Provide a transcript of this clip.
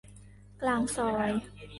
กลางซอย